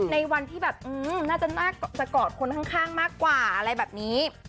ในวันที่แบบน่าจะกอดคนข้างมากกว่าอะไรแบบนี้